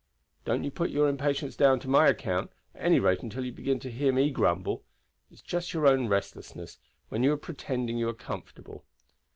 "Don't you put your impatience down to my account, at any rate until you begin to hear me grumble. It is just your own restlessness, when you are pretending you are comfortable."